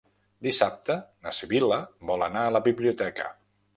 Dissabte na Sibil·la vol anar a la biblioteca.